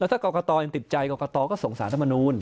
แล้วถ้ากอกตอติดใจกอกตอก็ส่งสารมนูญ